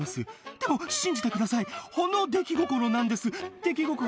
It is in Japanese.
でも、信じてください、ほんの出来心なんです。